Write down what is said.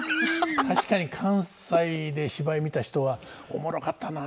確かに関西で芝居見た人は「おもろかったな。